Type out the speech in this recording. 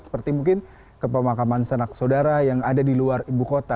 seperti mungkin ke pemakaman sanak saudara yang ada di luar ibu kota